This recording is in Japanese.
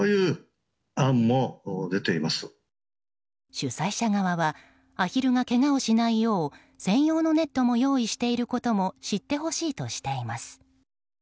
主催者側はアヒルがけがをしないよう専用のネットも用意していることも知ってほしいとしています。